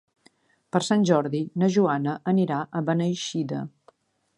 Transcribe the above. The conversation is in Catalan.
Per Sant Jordi na Joana anirà a Beneixida.